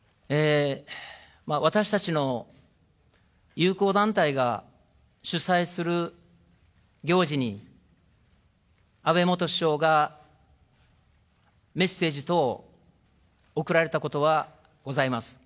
私たちの友好団体が主催する行事に、安倍元首相がメッセージ等送られたことはございます。